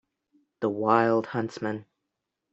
The wild huntsman.